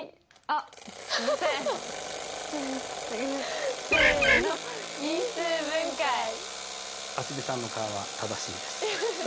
せのせの蒼澄さんの勘は正しいです。